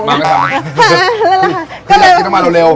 คืออยากกินมาเร็ว